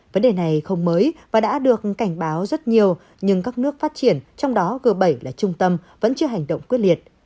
vấn đề này không mới và đã được cảnh báo rất nhiều nhưng các nước phát triển trong đó g bảy là trung tâm vẫn chưa hành động quyết liệt